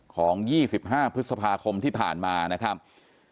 ๒๕พฤษภาคมที่ผ่านมานะครับ